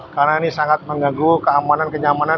karena ini sangat mengganggu keamanan kenyamanan